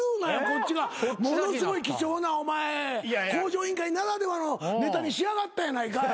こっちがものすごい貴重なお前『向上委員会』ならではのネタに仕上がったやないかい。